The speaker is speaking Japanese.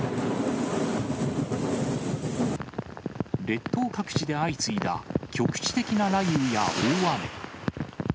列島各地で相次いだ局地的な雷雨や大雨。